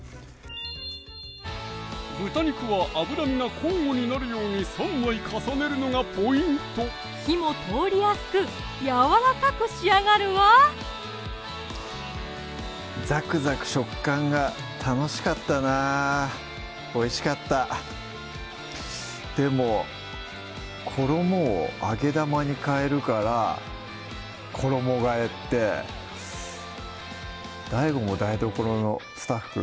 豚肉は脂身が交互になるように３枚重ねるのがポイント火も通りやすくやわらかく仕上がるわざくざく食感が楽しかったなおいしかったでも衣を揚げ玉に替えるから「衣替え」ってＤＡＩＧＯも台所のスタッフ